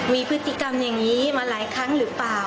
มีพฤติกรรมอย่างนี้มาหลายครั้งหรือเปล่า